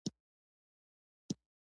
د اوریګانو پاڼې د مکروب لپاره وکاروئ